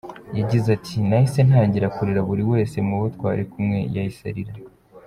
Yagize ati “Nahise ntangira kurira, buri wese mu bo twari kumwe yahise arira.